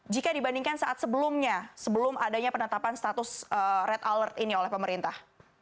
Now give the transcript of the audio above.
jika dibandingkan saat sebelumnya sebelum adanya penetapan status red alert ini oleh pemerintah